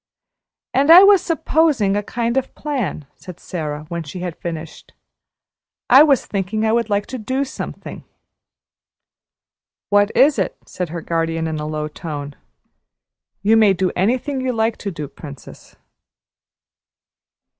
"And I was `supposing' a kind of plan," said Sara, when she had finished; "I was thinking I would like to do something." "What is it?" said her guardian in a low tone. "You may do anything you like to do, Princess."